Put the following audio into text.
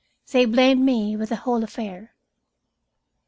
They blamed me with the whole affair.